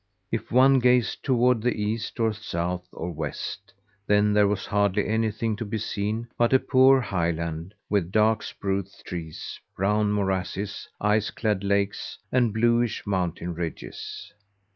If one gazed toward the east, or south, or west, then there was hardly anything to be seen but a poor highland with dark spruce trees, brown morasses, ice clad lakes, and bluish mountain ridges.